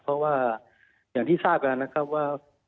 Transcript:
เพราะว่าอย่างที่ทราบกันนะครับว่า